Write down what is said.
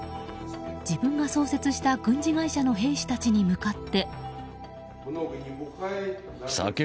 自分が創設した軍事会社の兵士たちに向かって。